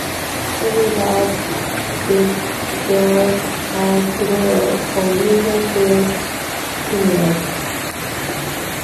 It is the debugger software for user-created scenarios.